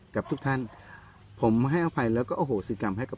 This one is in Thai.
กับทุกท่านผมให้อภัยแล้วก็อโหสิกรรมให้กับ